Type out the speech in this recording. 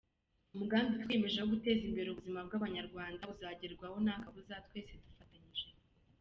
Umugambi twiyemeje wo guteza imbere ubuzima bw’Abanyarwanda uzagerwaho nta kabuza, twese dufatanyije.